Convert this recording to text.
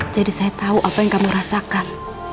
jadi saya tahu apa yang kamu rasakan